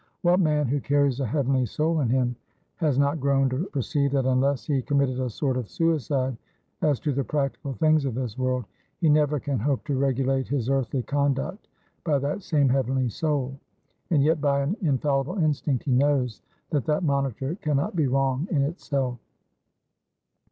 What man who carries a heavenly soul in him, has not groaned to perceive, that unless he committed a sort of suicide as to the practical things of this world, he never can hope to regulate his earthly conduct by that same heavenly soul? And yet by an infallible instinct he knows, that that monitor can not be wrong in itself.